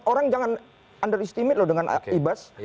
orang jangan underestimate loh dengan ibas